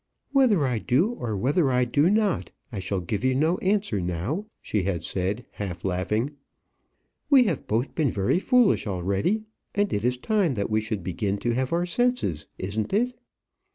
"Whether I do, or whether I do not, I shall give you no answer now," she had said, half laughing. "We have both been very foolish already, and it is time that we should begin to have our senses. Isn't it?"